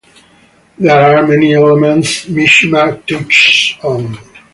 There are many elements Mishima touches on.